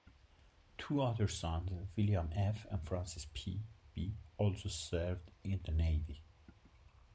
Two other sons, William F. and Francis P. B., also served in the Navy.